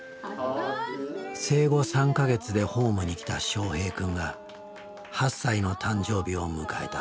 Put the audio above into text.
生後３か月でホームに来たしょうへい君が８歳の誕生日を迎えた。